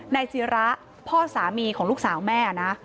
ศิระพ่อสามีของลูกสาวแม่นะ